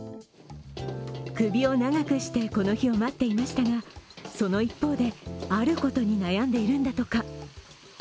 首を長くして、この日を待っていましたが、その一方で、あることに悩んでいるんだとか。